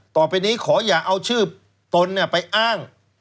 ต่อไปนี้ขออย่าเอาชื่อตนไปอ้าง